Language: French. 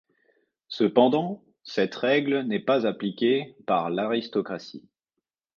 Cependant, cette règle n'est pas appliquée par l'aristocratie.